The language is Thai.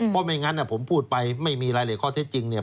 เพราะไม่งั้นผมพูดไปไม่มีรายละเอียดข้อเท็จจริงเนี่ย